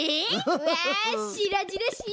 うわしらじらしい！